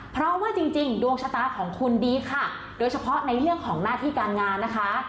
เพราะว่าจริงดวงชะตาของคุณดีค่ะโดยเฉพาะในเรื่องของหน้าที่การงานนะคะ